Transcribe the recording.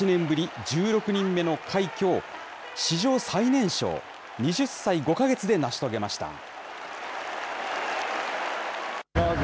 ぶり１６人目の快挙を、史上最年少２０歳５か月で成し遂げました。